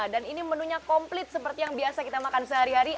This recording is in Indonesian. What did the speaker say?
ini menunya komplit seperti yang biasa kita makan sehari hari